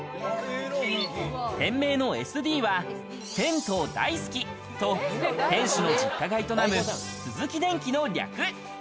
店名のＳＤは、銭湯大好きと店主の実家が営むスズキデンキの略。